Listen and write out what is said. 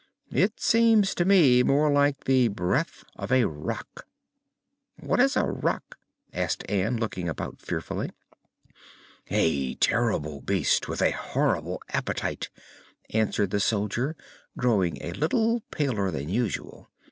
"It seems to me more like the breath of a Rak." "What is a Rak?" asked Ann, looking about fearfully. "A terrible beast with a horrible appetite," answered the soldier, growing a little paler than usual.